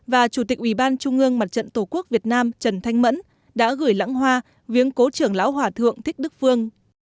và chủ tịch ủy ban trung ương mặt trận tổ quốc việt nam trần thanh mẫn đã gửi lãng hoa viếng cố trưởng lão hòa thượng thích đức phương